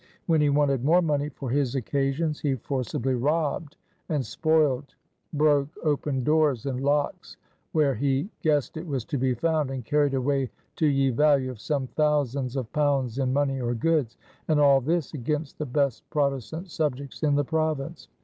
When he wanted more money for his occasions, he forcebly robbed and spoiled, broke open doors and locx were he guissed it was to be found, and carried away to ye vallue of some thousands of pounds in money or goods; and all this against the best Protestant subjects in the Province.